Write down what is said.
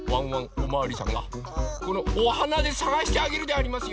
おまわりさんがこのおはなでさがしてあげるでありますよ！